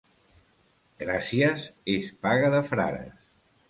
Gràcies és paga de frares.